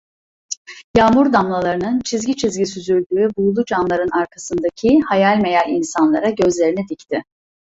Yağmur damlalarının çizgi çizgi süzüldüğü buğulu camların arkasındaki hayal meyal insanlara gözlerini dikti.